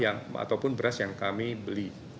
ataupun beras yang kami beli